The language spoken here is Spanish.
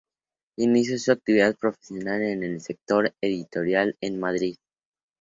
Inició su actividad profesional en el sector editorial en Madrid.